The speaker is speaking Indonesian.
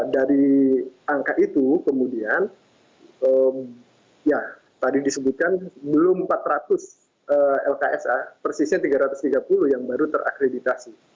dari angka itu kemudian ya tadi disebutkan belum empat ratus lksa persisnya tiga ratus tiga puluh yang baru terakreditasi